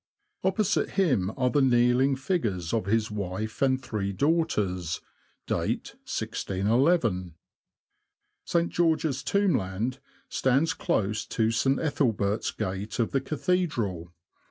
Opposite him are the kneeling figures of his wife and three daughters; date 161 1. St. George's Tombland stands close to St. Ethel bert's Gate of the Cathedral.